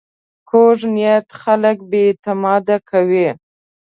کوږ نیت خلک بې اعتماده کوي